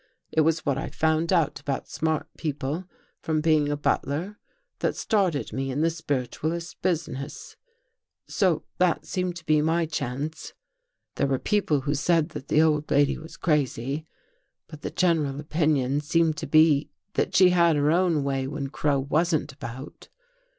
It was what I found out about smart people from being a butler that started me in the spiritualist business. So that seemed to be my chance. There were people who said that the old lady was crazy, but the general opinion seemed to be that she had her own way when Crow wasn't about.